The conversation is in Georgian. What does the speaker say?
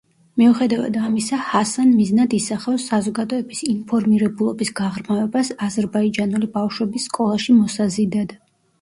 მიუხედავად ამისა, ჰასან მიზნად ისახავს საზოგადოების ინფორმირებულობის გაღრმავებას აზერბაიჯანული ბავშვების სკოლაში მოსაზიდად.